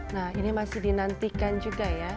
nah ini masih dinantikan juga ya